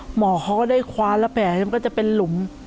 หมอเขาก็ได้คว้าแล้วแผลมันก็จะเป็นหลุม